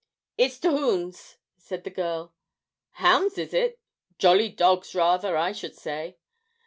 'It's t' hoons,' said the girl. 'Hounds, is it? jolly dogs, rather, I should say.'